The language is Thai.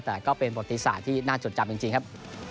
แต่ก็เป็นปฏิสารที่น่าจดจำจริงครับ